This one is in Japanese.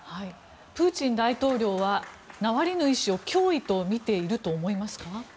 プーチン大統領はナワリヌイ氏を脅威と見ていると思いますか？